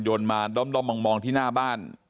โดนมาล้มมองที่หน้าบ้าน